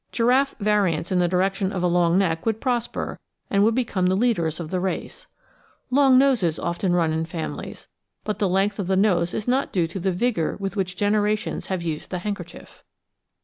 Giraffe variants in the direction of a long neck would prosper, and would become the leaders of the race. Long noses often run in families, but the length of the nose is not due to the vigour with which generations have used the handkerchief.